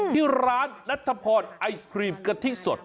ที่ร้านนัทพรไอศครีมกะทิสด